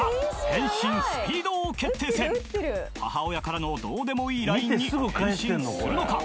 返信スピード王決定戦母親からのどうでもいいＬＩＮＥに返信するのか？